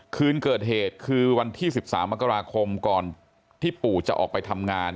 คืนเกิดเหตุคือวันที่๑๓มกราคมก่อนที่ปู่จะออกไปทำงาน